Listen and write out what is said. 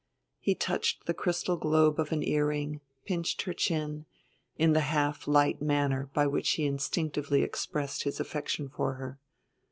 He touched the crystal globe of an earring, pinched her chin, in the half light manner by which he instinctively expressed his affection for her.